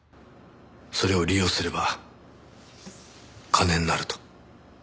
それを利用すれば金になると。